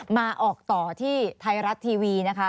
มาออกต่อที่ไทยรัฐทีวีนะคะ